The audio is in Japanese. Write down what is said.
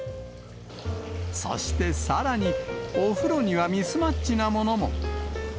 そしてさらに、お風呂にはミスマッチなものも。